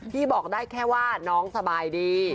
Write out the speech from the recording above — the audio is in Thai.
พี่บอกได้แค่ว่าน้องสบายดี